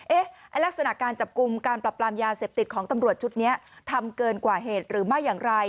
ลักษณะการจับกลุ่มการปรับปรามยาเสพติดของตำรวจชุดนี้ทำเกินกว่าเหตุหรือไม่อย่างไร